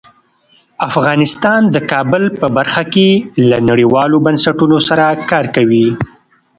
افغانستان د کابل په برخه کې له نړیوالو بنسټونو سره کار کوي.